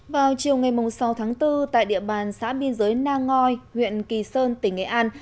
vào chiều ngày sáu tháng bốn tại địa bàn xã biên giới nang ngoi huyện kỳ sơn tỉnh nghệ an